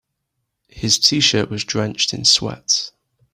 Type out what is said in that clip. His t-shirt was drenched in sweat.